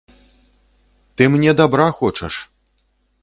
Ты мне дабра хочаш!